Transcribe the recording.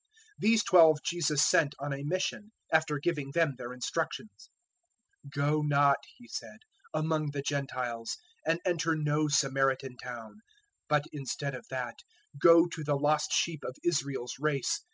010:005 These twelve Jesus sent on a mission, after giving them their instructions: "Go not," He said, "among the Gentiles, and enter no Samaritan town; 010:006 but, instead of that, go to the lost sheep of Israel's race.